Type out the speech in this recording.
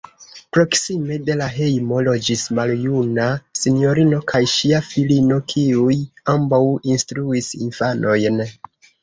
Proksime de la hejmo loĝis maljuna sinjorino kaj ŝia filino, kiuj ambaŭ instruis infanojn.